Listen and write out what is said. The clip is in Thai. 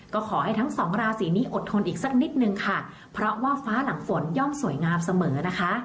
ก็ขอให้ทั้งสองราศีนี้อดทนอีกสักนิดนึงค่ะเพราะว่าฟ้าหลังฝนย่อมสวยงามเสมอนะคะ